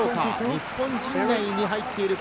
日本陣内に入っているか？